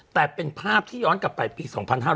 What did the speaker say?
แต่เป็นภาพที่ย้อนกลับไปปี๒๕๕๙